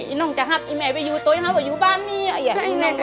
อิน้องจะหักอินแม่ไปอยู่ตัวอย่างเฮ้าอยู่บ้านนี้อะอย่าอิน้องว่า